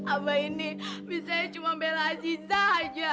abah ini bisa cuma membela aziza saja